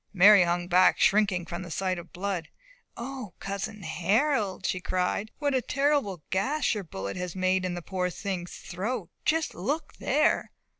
Mary hung back, shrinking from the sight of blood. "O, cousin Harold," she cried, "what a terrible gash your bullet has made in the poor thing's throat! Just look there!"